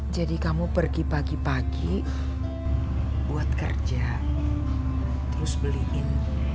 jadi kamu pergi pagi pagi buat kerja terus beliin